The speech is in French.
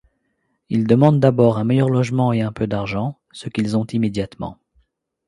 Ils demandent d'abord un meilleur logement et un peu d'argent, ce qu'ils ont immédiatement.